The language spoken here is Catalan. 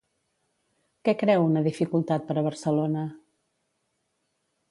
Què creu una dificultat per a Barcelona?